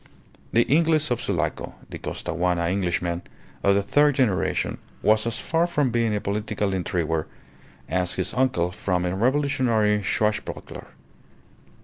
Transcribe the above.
The Inglez of Sulaco, the "Costaguana Englishman" of the third generation, was as far from being a political intriguer as his uncle from a revolutionary swashbuckler.